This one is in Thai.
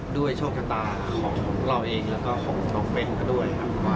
ด้วยโชคการตาของเราเองและก็ของน้องเฟ้นท์กันด้วย